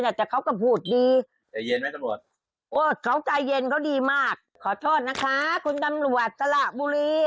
วันหน้าคุยกับตำรวจว่าไงจำได้มั้ยครับ